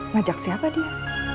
ngajak siapa dia